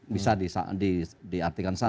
bisa diartikan sama